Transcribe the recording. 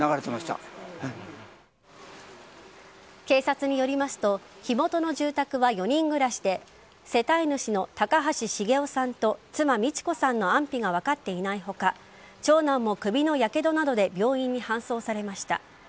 警察によりますと火元の住宅は４人暮らしで世帯主の高橋重雄さんと妻・美智子さんの安否が分かっていない他長男も首のやけどなどで病院に搬送されました。